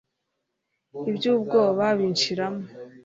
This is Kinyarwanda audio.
iby'ubwoba binshiramo